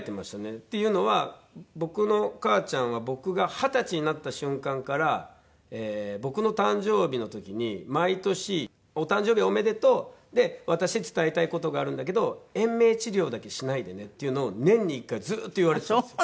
っていうのは僕の母ちゃんは僕が二十歳になった瞬間から僕の誕生日の時に毎年「お誕生日おめでとう」「で私伝えたい事があるんだけど延命治療だけしないでね」っていうのを年に１回ずっと言われてたんですよ。